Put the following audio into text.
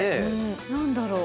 何だろう。